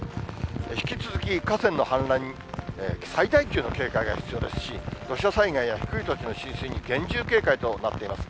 引き続き河川の氾濫に最大級の警戒が必要ですし、土砂災害や低い土地の浸水に厳重警戒となっています。